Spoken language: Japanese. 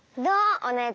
お姉ちゃん。